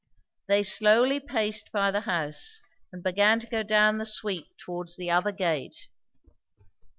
They slowly paced by the house, and began to go down the sweep towards the other gate.